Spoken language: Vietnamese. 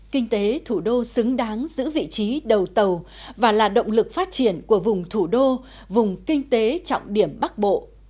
kinh tế thủ đô xứng đáng giữ vị trí đầu tàu và là động lực phát triển của vùng thủ đô vùng kinh tế trọng điểm bắc bộ